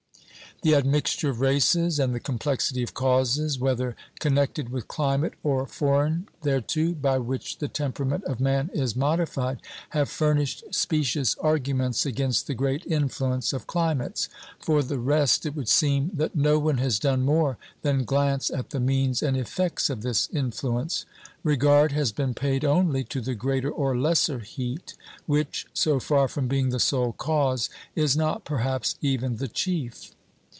The admixture of races and the complexity of causes, whether connected with climate or foreign thereto, by which the temperament of man is modified, have furnished specious arguments against the great influence of climates. For the rest it would seem that no one has done more than glance at the means and effects of this influence. Regard has been paid only to the greater or lesser heat, which, so far from being the sole cause, is not perhaps even the chief.